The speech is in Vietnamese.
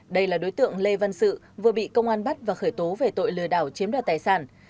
đây là đối tượng lê văn sự vừa bị công an bắt và khởi tố về tội lừa đảo chiếm đoạt tài sản